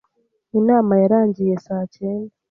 Inama yarangiye saa cyenda.